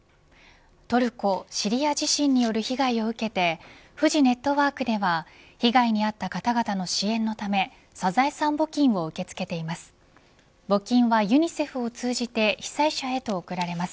トルコ・シリア地震による被害を受けてフジネットワークでは被害に遭った方々の支援のためサザエさん募金を受け付けています。